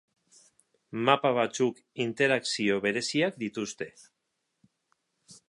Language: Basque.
Mapa batzuk interakzio bereziak dituzte.